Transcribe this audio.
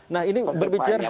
nah ini berbicara